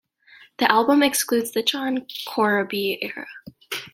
The album excludes the John Corabi era.